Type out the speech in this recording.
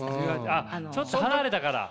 あっちょっと離れたから！